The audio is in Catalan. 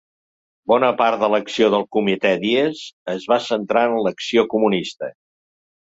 Bona part de l'acció del comitè Dies es va centrar en l'acció comunista.